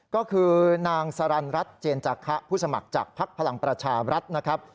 ก็คือนางสรรรัฐเจนจาคะผู้สมัครจากภักดิ์พลังประชารัฐนะครับ